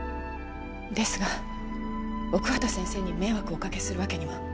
ですが奥畑先生に迷惑をおかけするわけには。